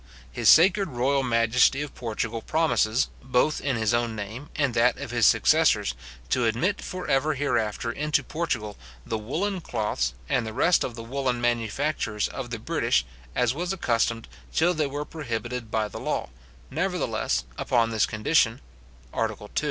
His sacred royal majesty of Portugal promises, both in his own name and that of his successors, to admit for ever hereafter, into Portugal, the woollen cloths, and the rest of the woollen manufactures of the British, as was accustomed, till they were prohibited by the law; nevertheless upon this condition: ART.